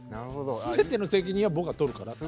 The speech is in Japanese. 全ての責任は僕が取るからって。